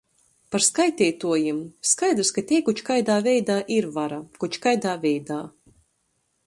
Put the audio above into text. Par skaiteituojim — skaidrys, ka tei koč kaidā veidā ir vara, koč kaidā veidā